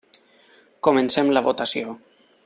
Comencem la votació.